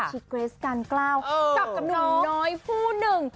ที่เกรสกันกล้าวกับหนุ่มน้อยผู้หนึ่ง